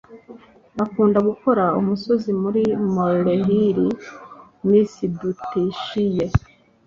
Akunda gukora umusozi muri molehill. (McDutchie)